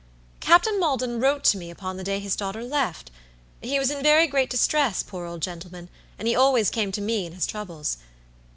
Captain Maldon wrote to me upon the day his daughter left. He was in very great distress, poor old gentleman, and he always came to me in his troubles.